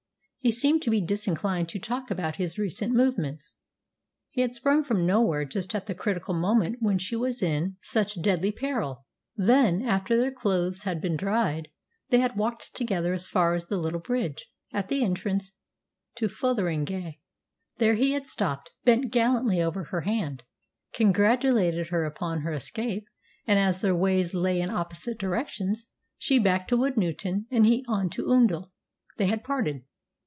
He seemed to be disinclined to talk about his recent movements. He had sprung from nowhere just at the critical moment when she was in such deadly peril. Then, after their clothes had been dried, they had walked together as far as the little bridge at the entrance to Fotheringhay. There he had stopped, bent gallantly over her hand, congratulated her upon her escape, and as their ways lay in opposite directions she back to Woodnewton and he on to Oundle they had parted.